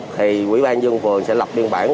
thì quỹ ban dân phường sẽ lập biên bản